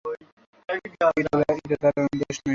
এটা তার দোষ নয়।